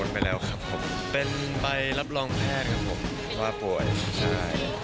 ก็พาตัวไปแล้วเป็นไปรับรองแพทย์ว่าป่วย